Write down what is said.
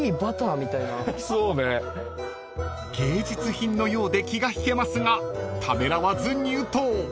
［芸術品のようで気が引けますがためらわず入刀］